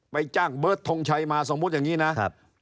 จ้างเบิร์ตทงชัยมาสมมุติอย่างนี้นะครับ